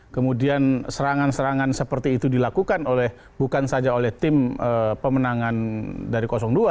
kemudian serangan serangan seperti itu dilakukan oleh bukan saja oleh tim pemenangan dari dua